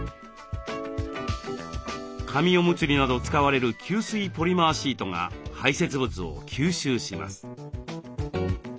紙おむつになど使われる吸水ポリマーシートが排せつ物を吸収します。